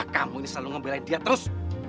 kamu ini selalu membelain dia terus